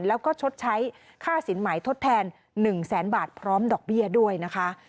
แล้วก็ชดใช้ค่าสินหมายทดแทน๑แสนบาทพร้อมดอกเบี้ยด้วยนะคะ